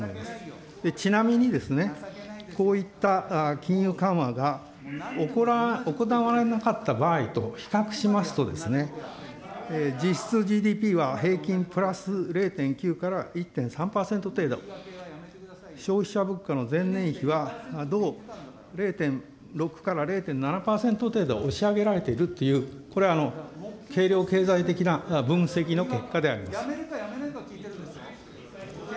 ちなみに、こういった金融緩和が行われなかった場合と比較しますとですね、実質ＧＤＰは平均プラス０．９から１．３％程度、消費者物価の前年比は同０．６から０．７％程度押し上げられているっていう、これはけいりょう経済的な分析の結果であります。